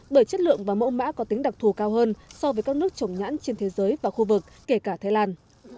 bởi chất lượng và mẫu mã có tính đặc thù cao hơn so với các nước trồng nhãn trên thế giới và khu vực kể cả thái lan